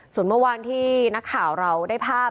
ส่วนเมื่อวานที่นักข่าวเราได้ภาพ